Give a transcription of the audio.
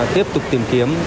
tiếp tục tìm kiếm